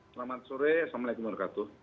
selamat sore assalamualaikum wr wb